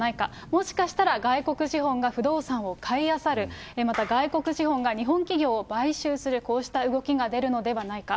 もしかしたら外国資本が不動産を買いあさる、また外国資本が日本企業を買収する、こうした動きが出るのではないか。